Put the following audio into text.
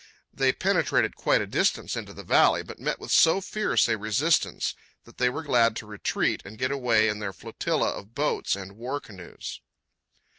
They penetrated quite a distance into the valley, but met with so fierce a resistance that they were glad to retreat and get away in their flotilla of boats and war canoes.